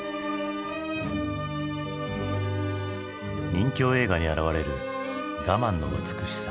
任侠映画に表れる我慢の美しさ。